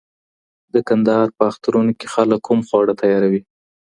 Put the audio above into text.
د کندهار په اخترونو کي خلګ کوم خواړه تیاروي؟